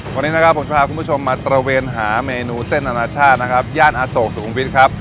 วันนี้นะครับผมพาคุณผู้ชมมาตระเวนหาเมนูเส้นอนาชาตินะครับย่านอโศกสุขุมวิทย์ครับ